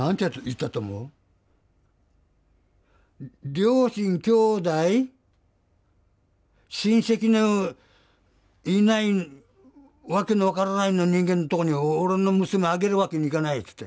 「両親兄弟親戚のいない訳の分からないような人間のところに俺の娘あげるわけにいかない」って言って。